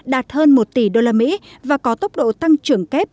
đạt hơn một tỷ usd và có tốc độ tăng trưởng kép